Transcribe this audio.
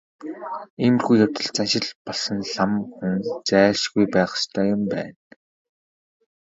Иймэрхүү явдалд заншил болсон лам хүн зайлшгүй байх ёстой юм байна.